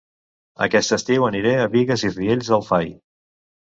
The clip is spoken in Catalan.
Aquest estiu aniré a Bigues i Riells del Fai